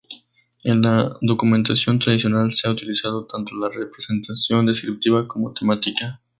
En la documentación tradicional, se ha utilizado tanto la representación descriptiva como temática.